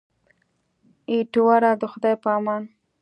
ایټوره د خدای په امان.